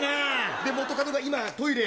で、元カノが今、トイレへ。